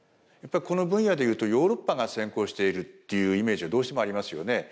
やっぱこの分野でいうとヨーロッパが先行しているというイメージがどうしてもありますよね。